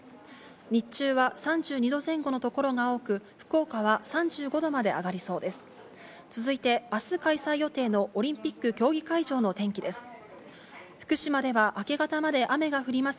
日中は３２度前後の所が多く、福岡は３５度まで上がりそうです。